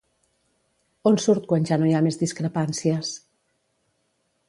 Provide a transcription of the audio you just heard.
On surt quan ja no hi ha més discrepàncies?